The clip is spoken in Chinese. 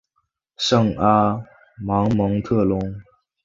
圣阿芒蒙特龙。